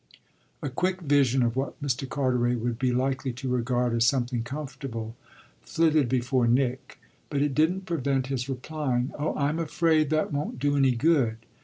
A quick vision of what Mr. Carteret would be likely to regard as something comfortable flitted before Nick, but it didn't prevent his replying: "Oh I'm afraid that won't do any good.